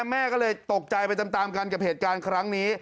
แม่ก็เลยตกใจไปตามกันกับเหตุการณ์ครั้งนี้